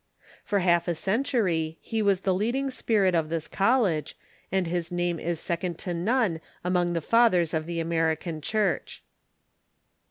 For half a century he was the lead ing spirit of this college, and his name is second to none among the fathers of the American Church.